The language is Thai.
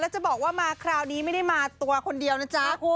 จะบอกว่ามาคราวนี้ไม่ได้มาตัวคนเดียวนะจ๊ะ